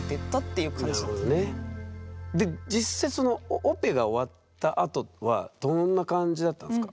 で実際そのオペが終わったあとはどんな感じだったんすか？